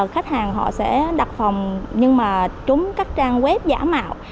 khách hàng họ sẽ đặt phòng nhưng mà trúng các trang web giả mạo